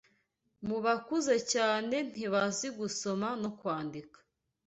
Mubakuze cyane ntibazi gusoma no kwandika